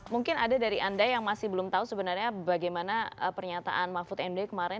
mungkin ada dari anda yang masih belum tahu sebenarnya bagaimana pernyataan mahfud md kemarin